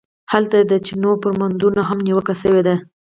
هلته د چینوت پر موندنو هم نیوکه شوې ده.